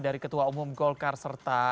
dari ketua umum golkar serta